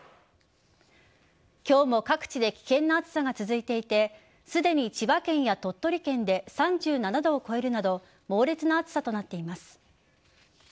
今日も各地で危険な暑さが続いていてすでに、千葉県や鳥取県で３７度を超えるなど猛烈な暑さとなっています。